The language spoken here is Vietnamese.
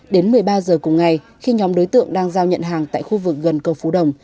đến một mươi ba giờ cùng ngày khi nhóm đối tượng đang giao nhận hàng tại khu vực gần cầu phú đồng